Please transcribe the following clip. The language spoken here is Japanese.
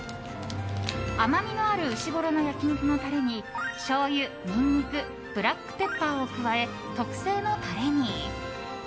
甘みのあるうしごろの焼き肉のタレにしょうゆ、ニンニクブラックペッパーを加え特製のタレに。